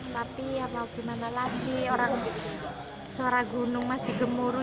tapi apa gimana lagi orang seorang gunung masih gemuruh